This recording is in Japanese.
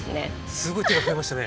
すごい手が増えましたね。